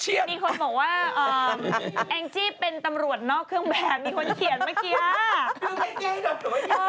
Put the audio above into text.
มีคนบอกว่าแองจี้เป็นตำรวจนอกเครื่องแบบมีคนเขียนเมื่อกี้